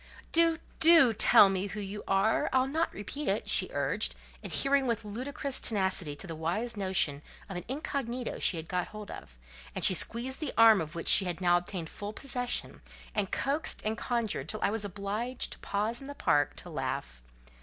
"Do—do tell me who you are? I'll not repeat it," she urged, adhering with ludicrous tenacity to the wise notion of an incognito she had got hold of; and she squeezed the arm of which she had now obtained full possession, and coaxed and conjured till I was obliged to pause in the park to laugh.